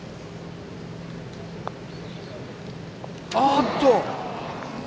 あっと。